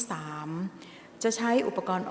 ออกรางวัลเลขหน้า๓ตัวครั้งที่๒